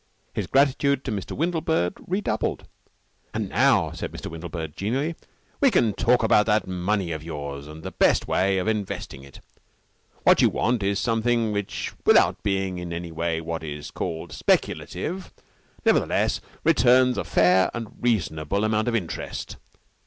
His gratitude to Mr. Windlebird redoubled. "And now," said Mr. Windlebird genially, "we can talk about that money of yours, and the best way of investing it. What you want is something which, without being in any way what is called speculative, nevertheless returns a fair and reasonable amount of interest.